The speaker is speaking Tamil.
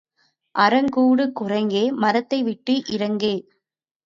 அரங்கூடு குரங்கே, மரத்தை விட்டு இறங்கே.